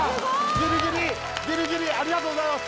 ギリギリギリギリありがとうございます